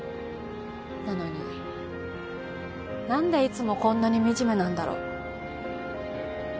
なのに何でいつもこんなに惨めなんだろう。